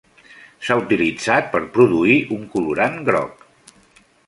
S"ha utilitzat per produir un colorant groc.